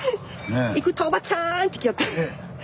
行くと「おばちゃん！」って来よった。